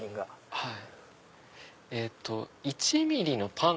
はい。